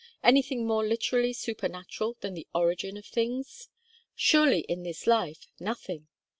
anything more literally supernatural than the origin of things?' Surely, in this life, nothing!